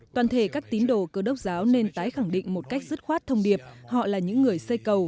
toàn thể các tín đồ cơ đốc giáo nên tái khẳng định một cách dứt khoát thông điệp họ là những người xây cầu